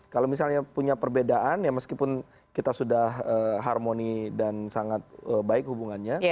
kalau misalnya punya perbedaan ya meskipun kita sudah harmoni dan sangat baik hubungannya